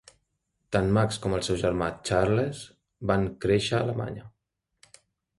Tant Max com el seu germà Charles van créixer a Alemanya.